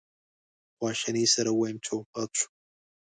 په خواشینۍ سره ووایم چې وفات شو.